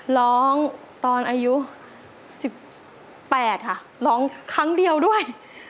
ร้องตอนอายุ๑๘ค่ะร้องครั้งเดียวด้วย